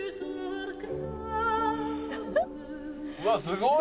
「うわっすごい！」